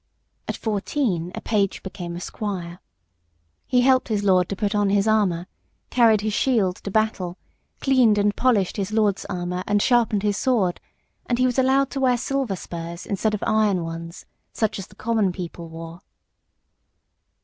At fourteen a page became a squire. He helped his lord to put on his armour, carried his shield to battle, cleaned and polished his lord's armour and sharpened his sword, and he was allowed to wear silver spurs instead of iron ones, such as the common people wore.